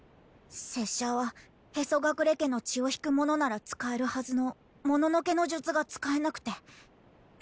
拙者は屁祖隠家の血を引く者なら使えるはずのもののけの術が使えなくて。